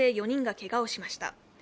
４人がけがをしました。